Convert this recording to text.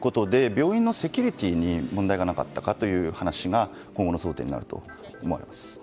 病院のセキュリティーに問題がなかったかという話が今後の争点になると思います。